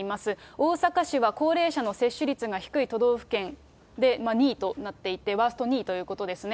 大阪市は高齢者の接種率が低い都道府県で２位となっていて、ワースト２位ということですね。